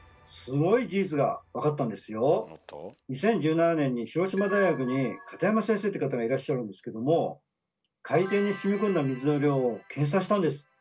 ２０１７年に広島大学に片山先生という方がいらっしゃるんですけども海底にしみこんだ水の量を計算したんです！